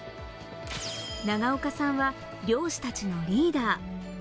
長岡さんは漁師たちのリーダー。